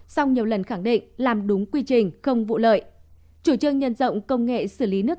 sau nhiều lần khẳng định làm đúng quy trình không vụ lợi chủ trương nhân rộng công nghệ xử lý nước